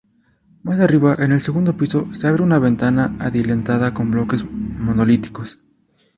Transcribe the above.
Más arriba, en el segundo piso, se abre una ventana adintelada con bloques monolíticos.